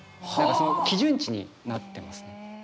何か基準値になってますね。